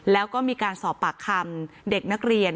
แล้วก็มีการสอบปากคำเด็กนักเรียน